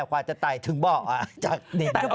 กว่าจะไต่ถึงเบาะอ่ะจากนี่แหละ